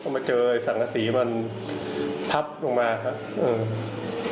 มาเจอไอ้สังกษีมันพับลงมาครับเออ